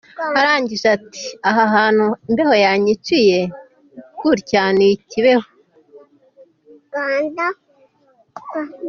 Arangije ati ‘aha hantu imbeho yanyiciye gutya ni ‘i Kibeho.